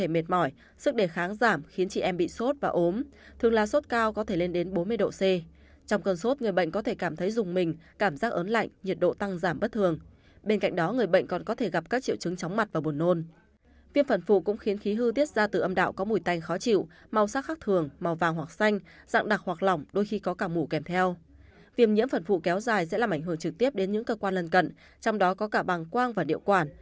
viêm nhiễm phần phụ kéo dài sẽ làm ảnh hưởng trực tiếp đến những cơ quan lân cận trong đó có cả bằng quang và điệu quản